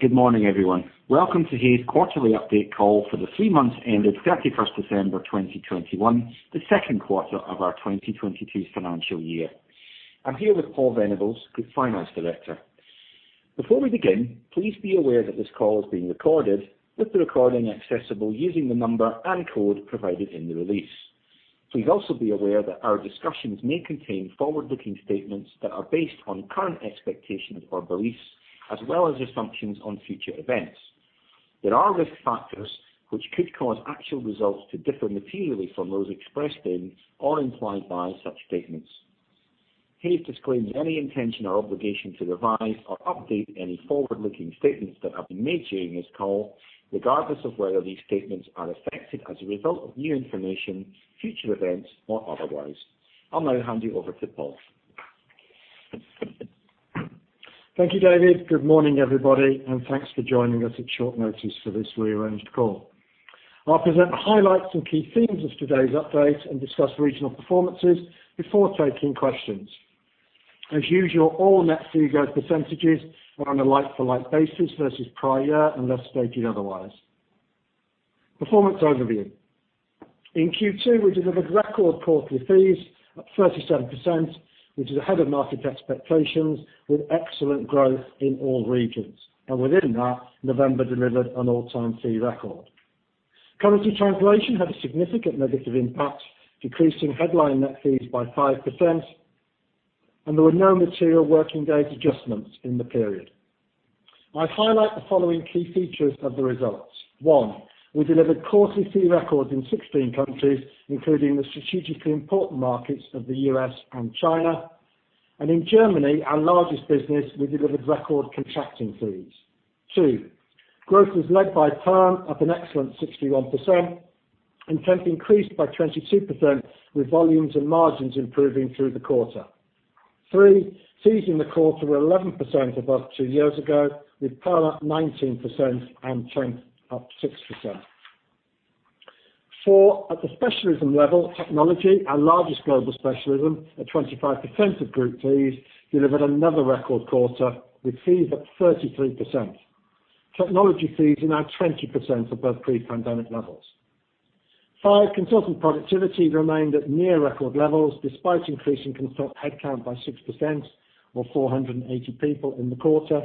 Good morning, everyone. Welcome to Hays Quarterly Update Call for the three months ended 31st December 2021, the second quarter of our 2022 financial year. I'm here with Paul Venables, Group Finance Director. Before we begin, please be aware that this call is being recorded with the recording accessible using the number and code provided in the release. Please also be aware that our discussions may contain forward-looking statements that are based on current expectations or beliefs as well as assumptions on future events. There are risk factors which could cause actual results to differ materially from those expressed in or implied by such statements. Hays disclaims any intention or obligation to revise or update any forward-looking statements that have been made during this call, regardless of whether these statements are affected as a result of new information, future events or otherwise. I'll now hand you over to Paul. Thank you, David. Good morning, everybody, and thanks for joining us at short notice for this rearranged call. I'll present the highlights and key themes of today's update and discuss regional performances before taking questions. As usual, all net figure percentages are on a like-for-like basis versus prior-year unless stated otherwise. Performance overview. In Q2, we delivered record quarterly fees at 37%, which is ahead of market expectations with excellent growth in all regions. Within that, November delivered an all-time fee record. Currency translation had a significant negative impact, decreasing headline net fees by 5%, and there were no material working days adjustments in the period. I highlight the following key features of the results. One, we delivered quarterly fee records in 16 countries, including the strategically important markets of the U.S. and China. In Germany, our largest business, we delivered record contracting fees. Two, growth was led by perm up an excellent 61%. Temp increased by 22% with volumes and margins improving through the quarter. Three, fees in the quarter were 11% above two years ago, with perm up 19% and temp up 6%. Four, at the specialism level, Technology, our largest global specialism at 25% of group fees, delivered another record quarter with fees at 33%. Technology fees are now 20% above pre-pandemic levels. Five, consultant productivity remained at near record levels despite increasing consultant headcount by 6% or 480 people in the quarter.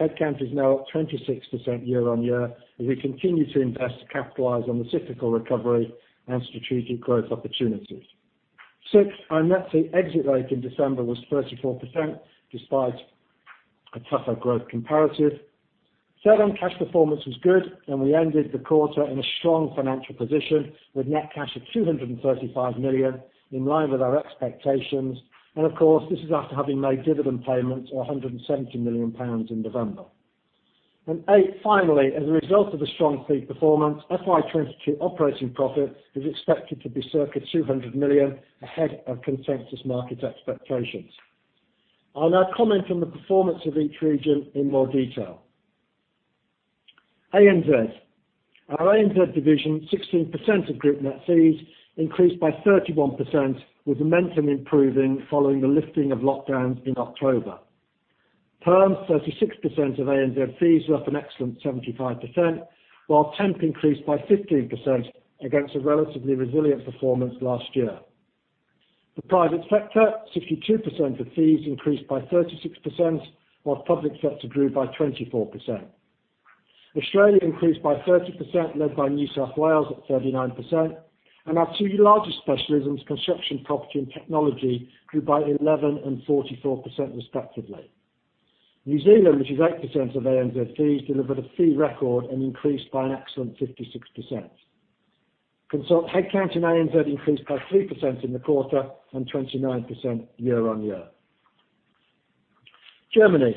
Headcount is now up 26% year-on-year as we continue to invest to capitalize on the cyclical recovery and strategic growth opportunities. Six, our net fee exit rate in December was 34% despite a tougher growth comparative. Seven, cash performance was good, and we ended the quarter in a strong financial position with net cash of 235 million in line with our expectations. Of course, this is after having made dividend payments of 170 million pounds in November. Eight, finally, as a result of the strong fee performance, FY 2022 operating profit is expected to be circa 200 million ahead of consensus market expectations. I'll now comment on the performance of each region in more detail. ANZ. Our ANZ division, 16% of group net fees, increased by 31% with momentum improving following the lifting of lockdowns in October. Perm, 36% of ANZ fees were up an excellent 75%, while temp increased by 15% against a relatively resilient performance last year. The private sector, 62% of fees, increased by 36%, while public sector grew by 24%. Australia increased by 30% led by New South Wales at 39%, and our two largest specialisms, Construction & Property and Technology, grew by 11% and 44% respectively. New Zealand, which is 8% of ANZ fees, delivered a fee record and increased by an excellent 56%. Consult headcount in ANZ increased by 3% in the quarter and 29% year-on-year. Germany,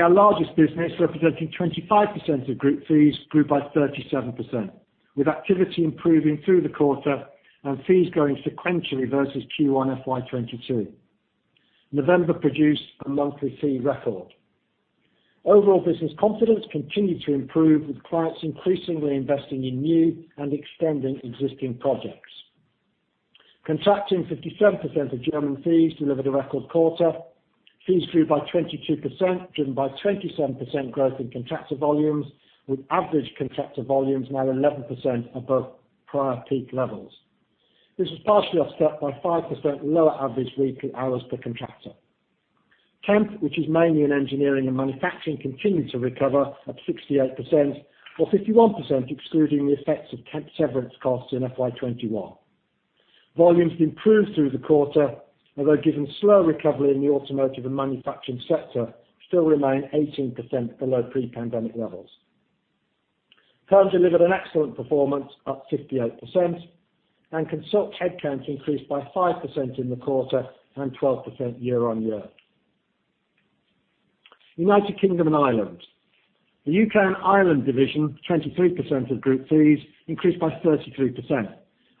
our largest business, representing 25% of group fees, grew by 37%, with activity improving through the quarter and fees growing sequentially versus Q1 FY 2022. November produced a monthly fee record. Overall business confidence continued to improve with clients increasingly investing in new and extending existing projects. Contracting, 57% of German fees, delivered a record quarter. Fees grew by 22%, driven by 27% growth in contractor volumes, with average contractor volumes now 11% above prior peak levels. This was partially offset by 5% lower average weekly hours per contractor. Temp, which is mainly in engineering and manufacturing, continued to recover at 68%, or 51% excluding the effects of temp severance costs in FY 2021. Volumes improved through the quarter, although given slow recovery in the automotive and manufacturing sector still remain 18% below pre-pandemic levels. Perm delivered an excellent performance up 58%, and consultant headcount increased by 5% in the quarter and 12% year-on-year. United Kingdom and Ireland. The U.K. and Ireland division, 23% of group fees, increased by 33%,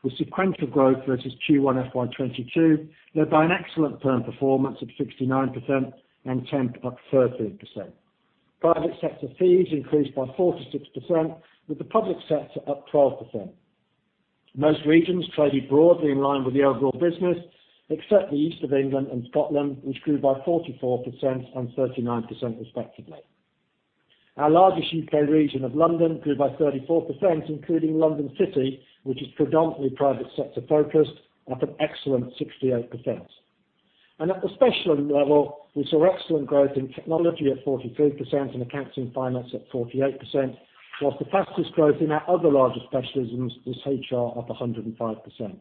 with sequential growth versus Q1 FY 2022 led by an excellent perm performance of 69% and temp up 13%. Private sector fees increased by 46%, with the public sector up 12%. Most regions traded broadly in line with the overall business, except the East of England and Scotland, which grew by 44% and 39% respectively. Our largest U.K. region of London grew by 34%, including London City, which is predominantly private sector-focused, up an excellent 68%. At the specialism level, we saw excellent growth in Technology at 43% and Accounting & Finance at 48%, while the fastest growth in our other larger specialisms was HR, up 105%.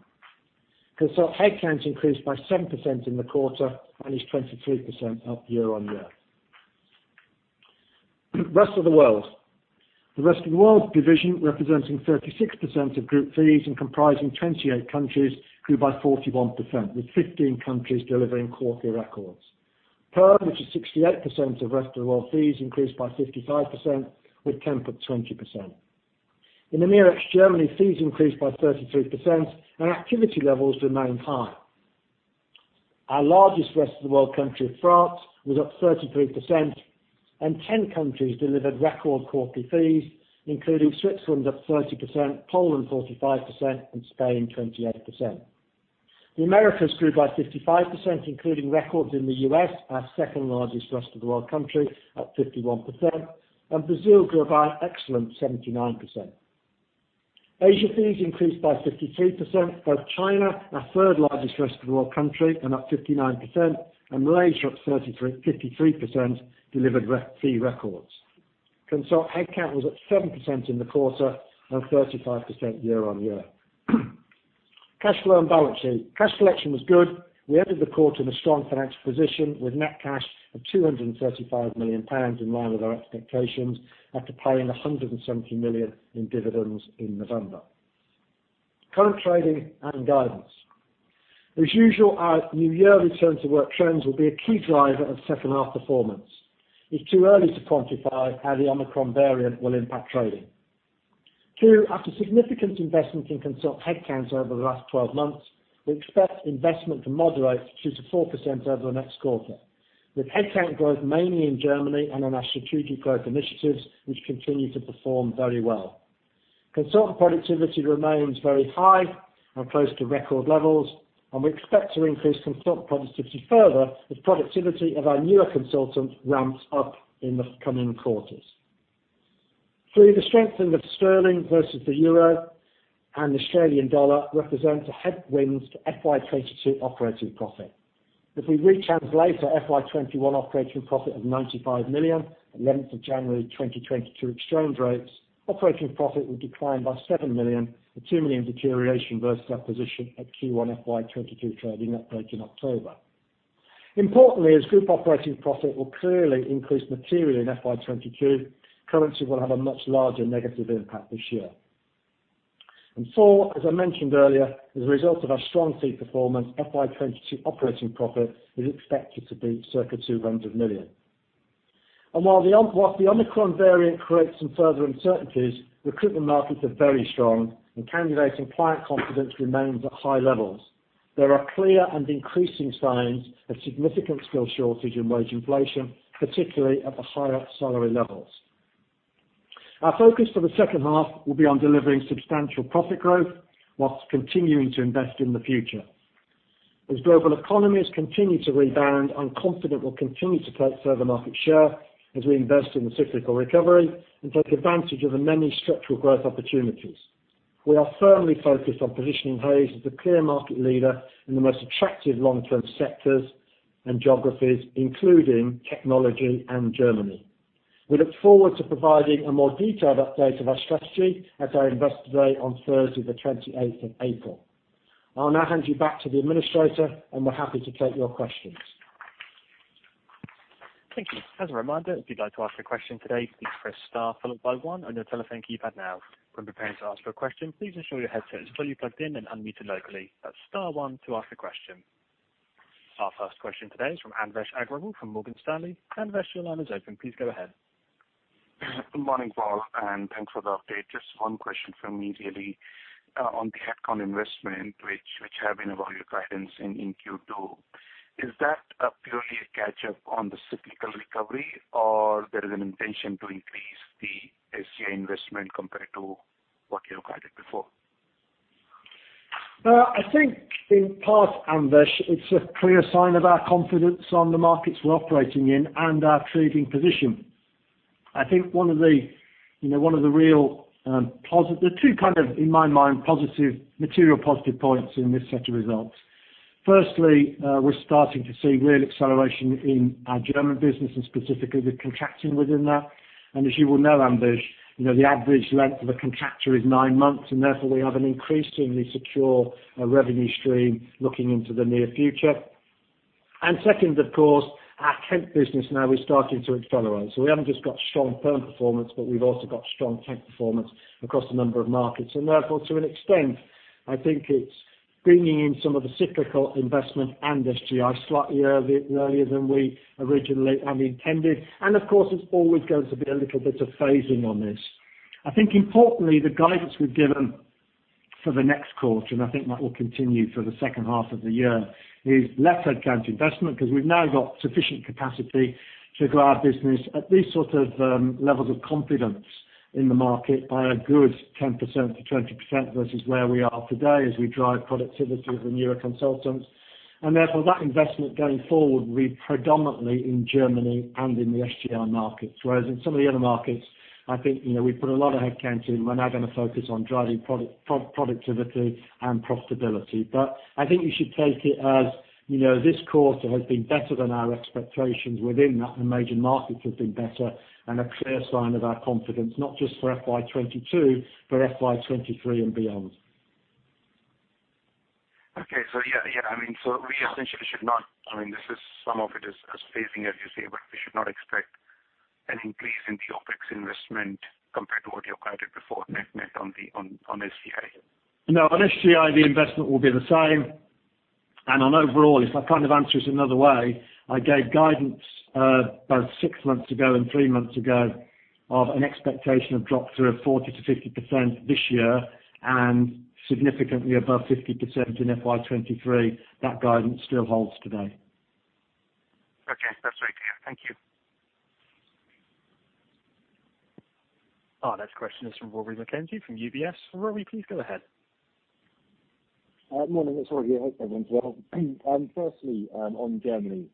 Consultant headcount increased by 7% in the quarter and is 23% up year-on-year. Rest of World. The Rest of World division, representing 36% of group fees and comprising 28 countries, grew by 41%, with 15 countries delivering quarterly records. Perm, which is 68% of Rest of World fees, increased by 55%, with temp up 20%. In the EMEA ex-Germany, fees increased by 33% and activity levels remained high. Our largest Rest of World country, France, was up 33%, and 10 countries delivered record quarterly fees, including Switzerland up 30%, Poland 45%, and Spain 28%. The Americas grew by 55%, including records in the U.S., our second-largest Rest of World country, up 51%, and Brazil grew by an excellent 79%. Asia fees increased by 53%. Both China, our third-largest Rest of World country, up 59%, and Malaysia up 53% delivered net fee records. Consultant headcount was up 7% in the quarter and 35% year-on-year. Cash flow and balance sheet. Cash collection was good. We ended the quarter in a strong financial position with net cash of 235 million pounds in line with our expectations after paying 170 million in dividends in November. Current trading and guidance. As usual, our new year return to work trends will be a key driver of second half performance. It's too early to quantify how the Omicron variant will impact trading. Two, after significant investment in consultant headcount over the last 12 months, we expect investment to moderate to 4% over the next quarter, with headcount growth mainly in Germany and in our strategic growth initiatives, which continue to perform very well. Consultant productivity remains very high and close to record levels, and we expect to increase consultant productivity further as productivity of our newer consultants ramps up in the coming quarters. Three, the strengthening of sterling versus the Euro and Australian dollar represents a headwind to FY 2022 operating profit. If we retranslate our FY 2021 operating profit of 95 million at 11th January 2022 exchange rates, operating profit would decline by 7 million, a 2 million deterioration versus our position at Q1 FY 2022 trading update in October. Importantly, as group operating profit will clearly increase materially in FY 2022, currency will have a much larger negative impact this year. Four, as I mentioned earlier, as a result of our strong fee performance, FY 2022 operating profit is expected to be circa 200 million. While the Omicron variant creates some further uncertainties, recruitment markets are very strong and candidate and client confidence remains at high levels. There are clear and increasing signs of significant skill shortage in wage inflation, particularly at the higher salary levels. Our focus for the second half will be on delivering substantial profit growth while continuing to invest in the future. As global economies continue to rebound, I'm confident we'll continue to take further market share as we invest in the cyclical recovery and take advantage of the many structural growth opportunities. We are firmly focused on positioning Hays as the clear market leader in the most attractive long-term sectors and geographies, including Technology and Germany. We look forward to providing a more detailed update of our strategy at our Investor Day on Thursday, the 28th of April. I'll now hand you back to the administrator, and we're happy to take your questions. Thank you. As a reminder, if you'd like to ask a question today, please press star followed by one on your telephone keypad now. When preparing to ask your question, please ensure your headset is fully plugged in and unmuted locally. That's star one to ask a question. Our first question today is from Anvesh Agrawal from Morgan Stanley. Anvesh, your line is open. Please go ahead. Good morning, Paul, and thanks for the update. Just one question from me really, on the headcount investment which have been above your guidance in Q2. Is that purely a catch-up on the cyclical recovery or there is an intention to increase the SGI investment compared to what you guided before? I think in part, Anvesh, it's a clear sign of our confidence on the markets we're operating in and our trading position. I think one of the, you know, real the two kind of, in my mind, positive, material points in this set of results. Firstly, we're starting to see real acceleration in our German business and specifically the contracting within that. As you well know, Anvesh, you know, the average length of a contractor is nine months, and therefore, we have an increasingly secure revenue stream looking into the near future. Second, of course, our temp business now is starting to accelerate. We haven't just got strong perm performance, but we've also got strong temp performance across a number of markets. Therefore, to an extent, I think it's bringing in some of the cyclical investment and SGI slightly early, earlier than we originally had intended. Of course, it's always going to be a little bit of phasing on this. I think importantly, the guidance we've given for the next quarter, and I think that will continue for the second half of the year, is less headcount investment because we've now got sufficient capacity to grow our business at these sort of levels of confidence in the market by a good 10%-20% versus where we are today as we drive productivity of the newer consultants. Therefore, that investment going forward will be predominantly in Germany and in the SGI markets. Whereas in some of the other markets, I think, you know, we put a lot of headcount in, we're now gonna focus on driving productivity and profitability. I think you should take it as, you know, this quarter has been better than our expectations. Within that, the major markets have been better and a clear sign of our confidence, not just for FY 2022, but FY 2023 and beyond. Okay. Yeah. I mean, this is some of it, is phasing as you say, but we should not expect an increase in the OpEx investment compared to what you guided before, net on the SGI. No. On SGI, the investment will be the same. On overall, if I kind of answer it another way, I gave guidance both six months ago and three months ago of an expectation of drop-through of 40%-50% this year, and significantly above 50% in FY 2023. That guidance still holds today. Okay. That's very clear. Thank you. Our next question is from Rory McKenzie from UBS. Rory, please go ahead. Morning. It's Rory here. Hope everyone's well. Firstly, on Germany,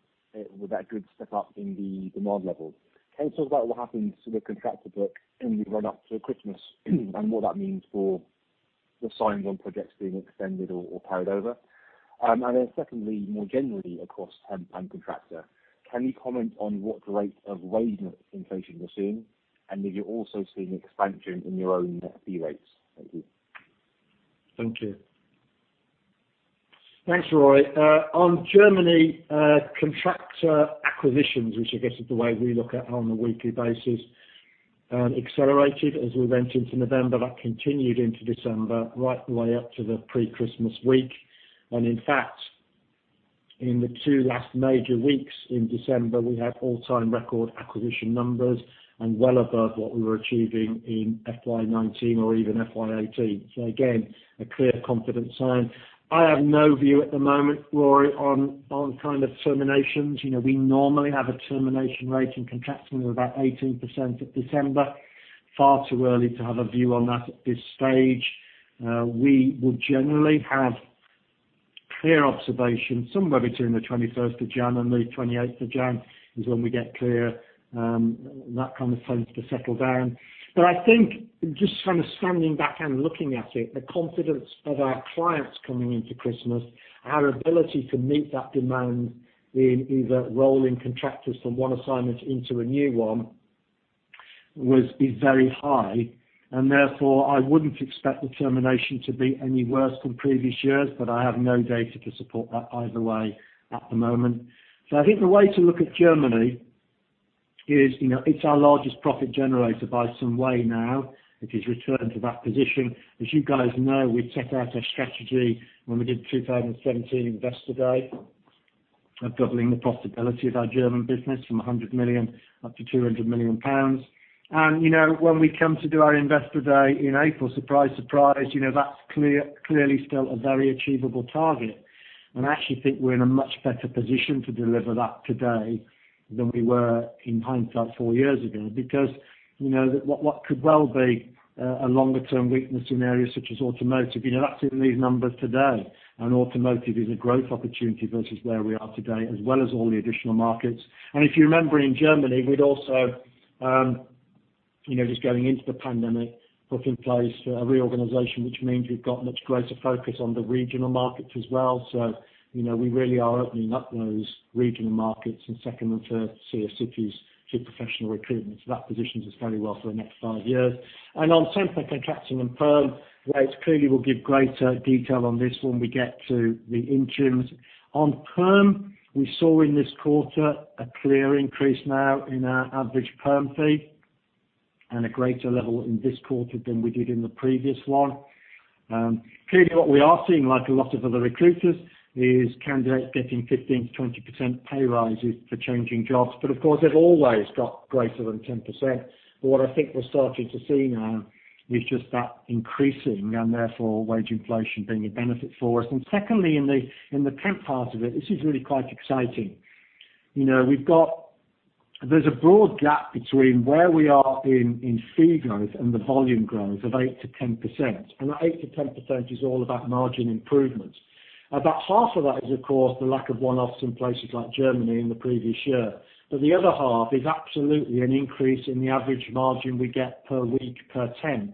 with that good step up in the demand levels, can you talk about what happened to the contractor book in the run up to Christmas and what that means for the sign-ons on projects being extended or carried over? Secondly, more generally across temp and contractor, can you comment on what rate of wage inflation you're seeing, and if you're also seeing expansion in your own fee rates? Thank you. Thank you. Thanks, Rory. On Germany, contractor acquisitions, which I guess is the way we look at it on a weekly basis, accelerated as we went into November. That continued into December, right the way up to the pre-Christmas week. In fact, in the two last major weeks in December, we had all-time record acquisition numbers and well above what we were achieving in FY 2019 or even FY 2018. Again, a clear confidence sign. I have no view at the moment, Rory, on kind of terminations. You know, we normally have a termination rate in contracting of about 18% at December. Far too early to have a view on that at this stage. We would generally have clear observation somewhere between the 21st of January and the 28th of January is when we get clear that kind of things to settle down. I think just kind of standing back and looking at it, the confidence of our clients coming into Christmas, our ability to meet that demand in either rolling contractors from one assignment into a new one was, is very high. Therefore, I wouldn't expect the termination to be any worse than previous years, but I have no data to support that either way at the moment. I think the way to look at Germany is, you know, it's our largest profit generator by some way now, it is returned to that position. As you guys know, we set out our strategy when we did the 2017 Investor Day of doubling the profitability of our German business from 100 million up to 200 million pounds. You know, when we come to do our Investor Day in April, surprise, you know, that's clearly still a very achievable target. I actually think we're in a much better position to deliver that today than we were in hindsight four years ago. You know, what could well be a longer term weakness in areas such as automotive, you know, that's in these numbers today. Automotive is a growth opportunity versus where we are today, as well as all the additional markets. If you remember in Germany, we'd also, you know, just going into the pandemic, put in place a reorganization, which means we've got much greater focus on the regional markets as well. You know, we really are opening up those regional markets in second and third tier cities through professional recruitment. That positions us fairly well for the next five years. On temp and contracting and perm, [I] clearly will give greater detail on this when we get to the interims. On perm, we saw in this quarter a clear increase now in our average perm fee and a greater level in this quarter than we did in the previous one. Clearly what we are seeing, like a lot of other recruiters, is candidates getting 15%-20% pay rises for changing jobs. But of course, they've always got greater than 10%. But what I think we're starting to see now is just that increasing and therefore wage inflation being a benefit for us. Secondly, in the temp part of it, this is really quite exciting. You know, we've got... There's a broad gap between where we are in fee growth and the volume growth of 8%-10%. That 8%-10% is all about margin improvements. About half of that is of course the lack of one-offs in places like Germany in the previous year. The other half is absolutely an increase in the average margin we get per week per temp.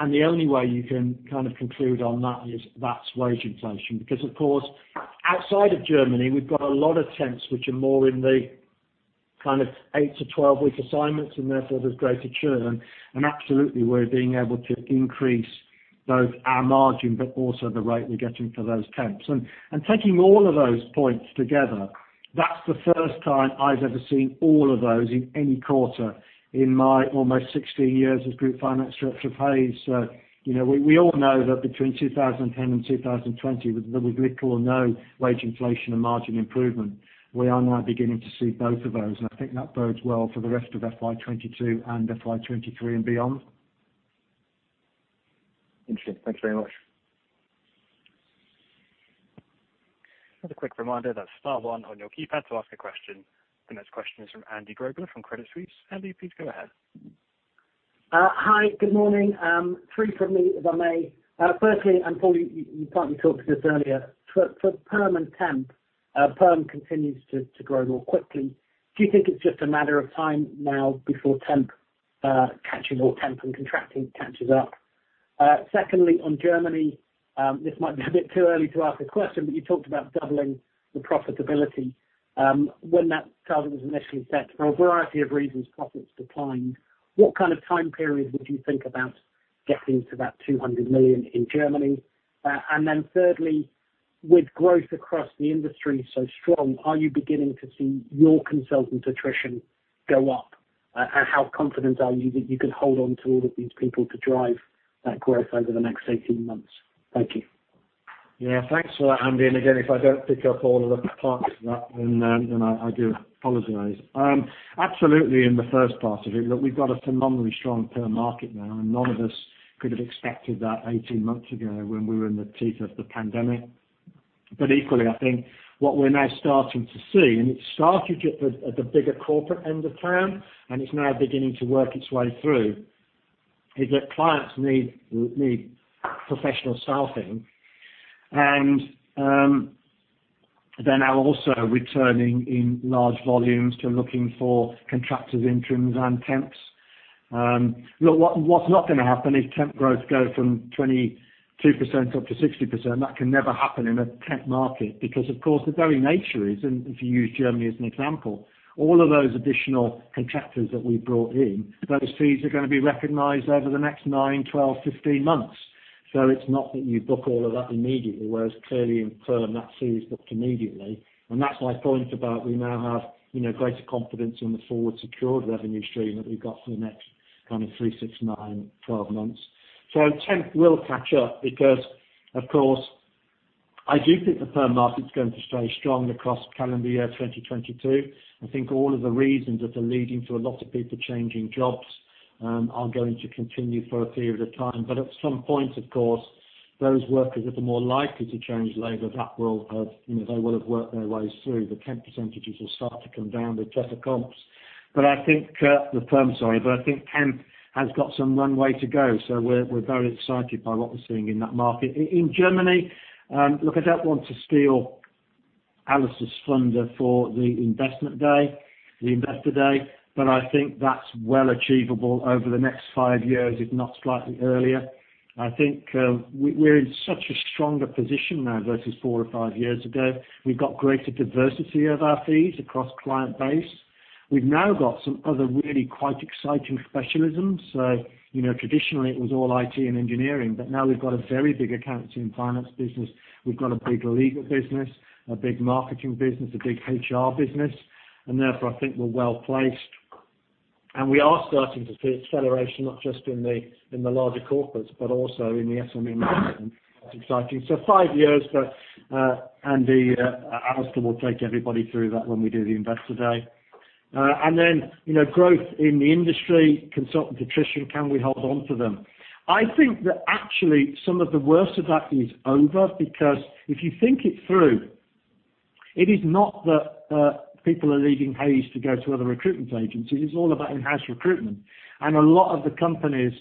The only way you can kind of conclude on that is that's wage inflation. Because of course, outside of Germany, we've got a lot of temps which are more in the kind of 8-12 week assignments, and therefore there's greater churn. Absolutely, we're being able to increase both our margin but also the rate we're getting for those temps. Taking all of those points together, that's the first time I've ever seen all of those in any quarter in my almost 16 years as Group Finance Director at Hays. You know, we all know that between 2010 and 2020, there was little or no wage inflation and margin improvement. We are now beginning to see both of those, and I think that bodes well for the rest of FY 2022 and FY 2023 and beyond. Interesting. Thanks very much. As a quick reminder, that's star one on your keypad to ask a question. The next question is from Andy Grobler from Credit Suisse. Andy, please go ahead. Hi, good morning. Three from me, if I may. Firstly, Paul, you partly talked to this earlier, for perm and temp, perm continues to grow more quickly. Do you think it's just a matter of time now before temp catching or temp and contracting catches up? Secondly, on Germany, this might be a bit too early to ask a question, but you talked about doubling the profitability. When that target was initially set, for a variety of reasons, profits declined. What kind of time period would you think about getting to that 200 million in Germany? Thirdly, with growth across the industry so strong, are you beginning to see your consultant attrition go up? How confident are you that you can hold on to all of these people to drive that growth over the next 18 months? Thank you. Yeah, thanks for that, Andy. Again, if I don't pick up all of the parts of that, then I do apologize. Absolutely in the first part of it, look, we've got a phenomenally strong perm market now, and none of us could have expected that 18 months ago when we were in the teeth of the pandemic. Equally, I think what we're now starting to see, and it started at the bigger corporate end of town, and it's now beginning to work its way through, is that clients need professional staffing. They're now also returning in large volumes to looking for contractors, interims and temps. Look, what's not gonna happen is temp growth go from 22% up to 60%. That can never happen in a temp market because, of course, the very nature is, and if you use Germany as an example, all of those additional contractors that we brought in, those fees are gonna be recognized over the next nine, 12, 15 months. It's not that you book all of that immediately, whereas clearly in perm, that fee is booked immediately. That's my point about we now have, you know, greater confidence in the forward secured revenue stream that we've got for the next kind of three, six, nine, 12 months. Temp will catch up because, of course, I do think the perm market's going to stay strong across calendar year 2022. I think all of the reasons that are leading to a lot of people changing jobs are going to continue for a period of time. At some point, of course, those workers that are more likely to change later, that will have, you know, they will have worked their ways through. The temp percentages will start to come down with better comps. I think temp has got some runway to go. We're very excited by what we're seeing in that market. In Germany, look, I don't want to steal Alistair's thunder for the investment day, the Investor Day, but I think that's well achievable over the next five years, if not slightly earlier. I think, we're in such a stronger position now versus four or five years ago. We've got greater diversity of our fees across client base. We've now got some other really quite exciting specialisms. You know, traditionally it was all IT and engineering, but now we've got a very big accounts and finance business. We've got a big legal business, a big marketing business, a big HR business, and therefore I think we're well-placed. We are starting to see acceleration, not just in the larger corporates, but also in the SME market. It's exciting. Five years, but, Andy, Alistair will take everybody through that when we do the Investor Day. You know, growth in the industry, consultant attrition, can we hold on to them? I think that actually some of the worst of that is over because if you think it through, it is not that, people are leaving Hays to go to other recruitment agencies. It's all about enhanced recruitment. A lot of the companies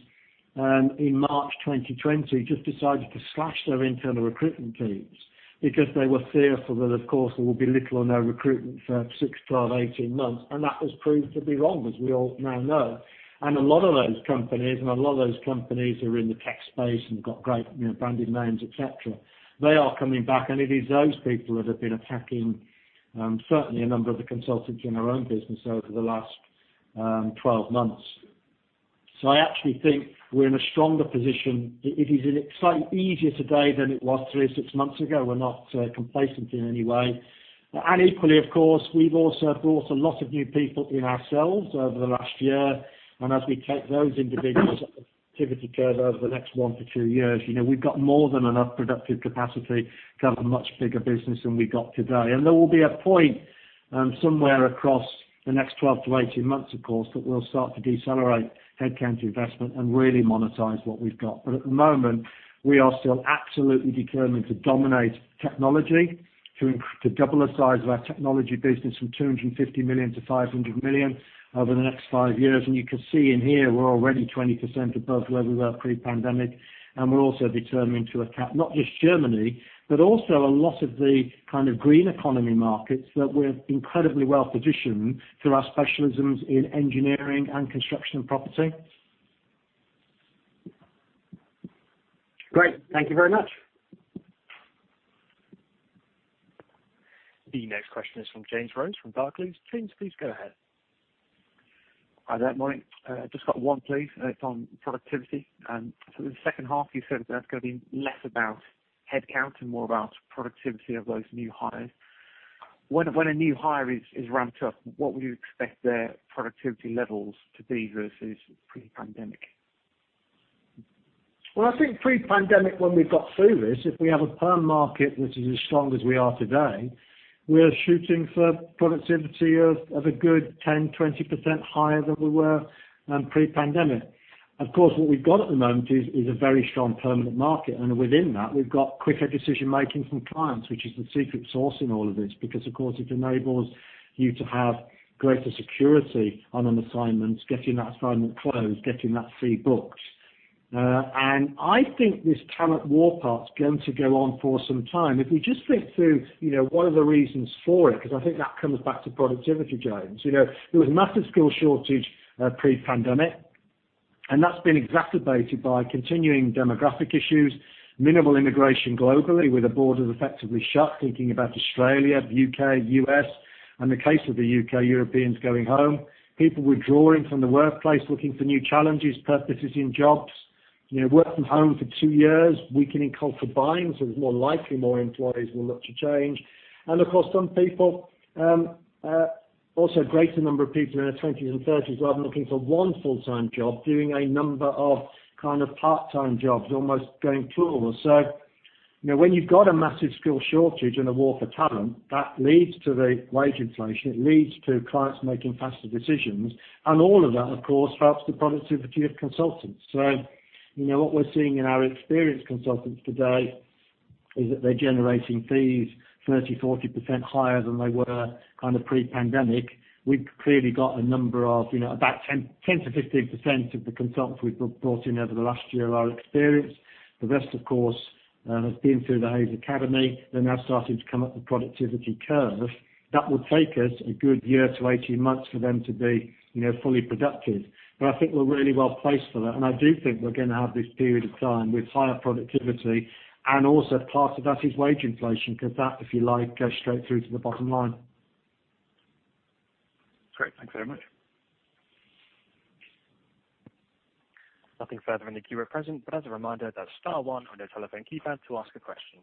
in March 2020 just decided to slash their internal recruitment teams because they were fearful that, of course, there will be little or no recruitment for six, 12, 18 months. That has proved to be wrong, as we all now know. A lot of those companies are in the tech space and have got great, you know, branded names, et cetera. They are coming back. It is those people that have been attacking certainly a number of the consultants in our own business over the last 12 months. I actually think we're in a stronger position. It is slightly easier today than it was three or six months ago. We're not complacent in any way. Equally, of course, we've also brought a lot of new people in ourselves over the last year. As we take those individuals' productivity curve over the next 1-2 years, you know, we've got more than enough productive capacity to have a much bigger business than we've got today. There will be a point, somewhere across the next 12-18 months, of course, that we'll start to decelerate headcount investment and really monetize what we've got. At the moment, we are still absolutely determined to dominate Technology, to double the size of our Technology business from 250 million-500 million over the next five years. You can see in here, we're already 20% above where we were pre-pandemic, and we're also determined to attack not just Germany, but also a lot of the kind of green economy markets that we're incredibly well-positioned through our specialisms in Engineering and Construction & Property. Great. Thank you very much. The next question is from James Rose from Barclays. James, please go ahead. Hi there. Morning. Just got one, please. It's on productivity. In the second half, you said that's gonna be less about headcount and more about productivity of those new hires. When a new hire is ramped up, what would you expect their productivity levels to be versus pre-pandemic? Well, I think pre-pandemic, when we got through this, if we have a perm market which is as strong as we are today. We are shooting for productivity of a good 10%-20% higher than we were pre-pandemic. Of course, what we've got at the moment is a very strong permanent market, and within that we've got quicker decision-making from clients, which is the secret sauce in all of this, because of course it enables you to have greater security on an assignment, getting that assignment closed, getting that fee booked. I think this talent war part's going to go on for some time. If we just think through, you know, what are the reasons for it, 'cause I think that comes back to productivity, James. You know, there was massive skill shortage pre-pandemic, and that's been exacerbated by continuing demographic issues, minimal immigration globally with the borders effectively shut, thinking about Australia, U.K., U.S. In the case of the U.K., Europeans going home. People withdrawing from the workplace, looking for new challenges, purposes in jobs. You know, work from home for two years, weakening cultural bonds, so it's more likely more employees will look to change. Of course, some people also a greater number of people in their 20s and 30s rather than looking for one full-time job, doing a number of kind of part-time jobs, almost going plural. You know, when you've got a massive skill shortage and a war for talent, that leads to the wage inflation, it leads to clients making faster decisions. All of that, of course, helps the productivity of consultants. You know, what we're seeing in our experienced consultants today is that they're generating fees 30%-40% higher than they were kind of pre-pandemic. We've clearly got a number of, you know, about 10%-15% of the consultants we've brought in over the last year are experienced. The rest, of course, have been through the Hays Academy. They're now starting to come up the productivity curve. That will take us a good year to 18 months for them to be, you know, fully productive. But I think we're really well placed for that, and I do think we're gonna have this period of time with higher productivity and also part of that is wage inflation, 'cause that, if you like, goes straight through to the bottom line. Great. Thank you very much. Nothing further in the queue at present, but as a reminder, that's star one on your telephone keypad to ask a question.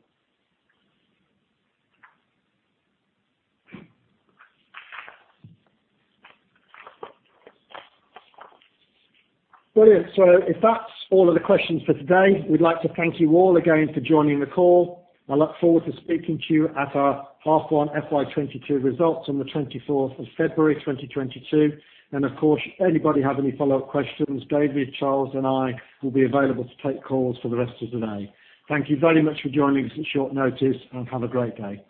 Brilliant. If that's all of the questions for today, we'd like to thank you all again for joining the call. I look forward to speaking to you at our half-one FY 2022 results on the 24th of February, 2022. Of course, anybody have any follow-up questions, David, Charles and I will be available to take calls for the rest of the day. Thank you very much for joining us at short notice, and have a great day.